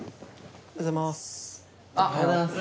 おはようございます。